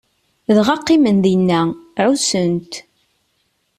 Dɣa qqimen dinna, ɛussen-t.